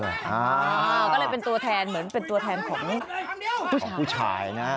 อ๋อก็เลยเป็นตัวแทนเหมือนเป็นตัวแทนของผู้ชาย